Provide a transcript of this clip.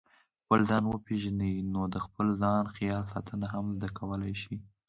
خپل ځان وپېژنئ نو د خپل ځان خیال ساتنه هم زده کولای شئ.